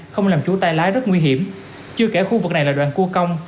không làm chú tai lái rất nguy hiểm chưa kể khu vực này là đoàn cua công